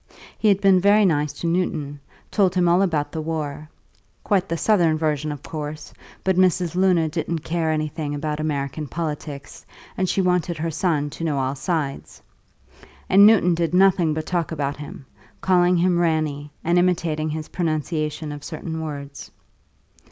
He had been very nice to Newton, told him all about the war (quite the Southern version, of course, but Mrs. Luna didn't care anything about American politics, and she wanted her son to know all sides), and Newton did nothing but talk about him, calling him "Rannie," and imitating his pronunciation of certain words.